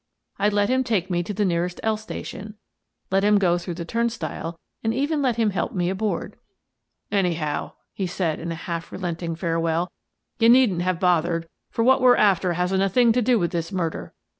I let him take me to the nearest L station, let him go through the turnstile, and even let him help me aboard. " Anyhow," he said, in a half relenting farewell, " you needn't have bothered, for what we're after hasn't a thing to do with the murder.